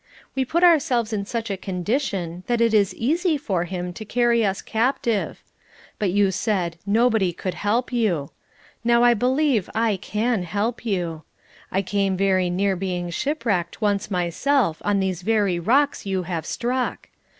We put ourselves in such a condition that it is easy for him to carry us captive. But you said 'nobody could help you.' Now I believe I can help you. I came very near being shipwrecked once myself on these very rocks you have struck.